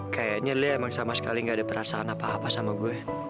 kayaknya dia emang sama sekali gak ada perasaan apa apa sama gue